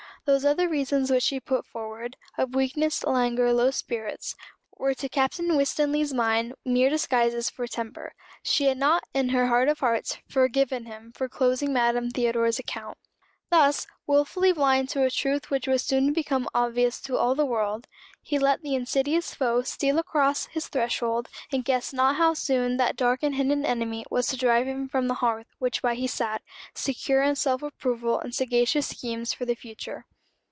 Those other reasons which she put forward of weakness, languor, low spirits were to Captain Winstanley's mind mere disguises for temper. She had not, in her heart of hearts, forgiven him for closing Madame Theodore's account. Thus, wilfully blind to a truth which was soon to become obvious to all the world, he let the insidious foe steal across his threshold, and guessed not how soon that dark and hidden enemy was to drive him from the hearth by which he sat, secure in self approval and sagacious schemes for the future.